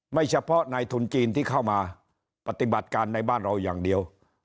เฉพาะในทุนจีนที่เข้ามาปฏิบัติการในบ้านเราอย่างเดียว